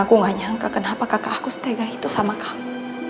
aku gak nyangka kenapa kakak aku setega itu sama kamu